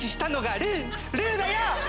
ルーだよ！